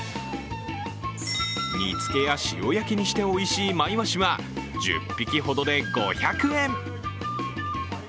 煮つけや塩焼きにしておいしいまいわしは１０匹ほどで５００円。